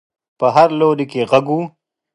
په هر لوري کې غږ و.